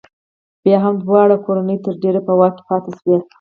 بیا هم دواړه کورنۍ تر ډېره په واک کې پاتې شوې.